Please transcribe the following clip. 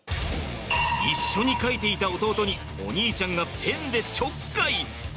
一緒に書いていた弟にお兄ちゃんがペンでちょっかい。